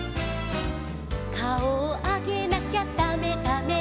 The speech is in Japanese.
「かおをあげなきゃだめだめ」